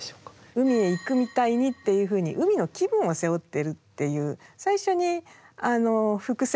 「海へ行くみたいに」っていうふうに海の気分を背負ってるっていう。